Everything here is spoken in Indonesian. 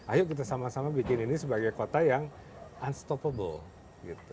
ayo kita sama sama bikin ini sebagai kota yang unstophable